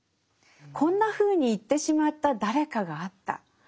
「こんなふうに行ってしまった、誰かがあった」。